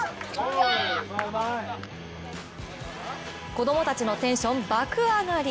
子供たちのテンション、爆上がり！